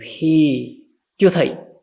khi chưa thấy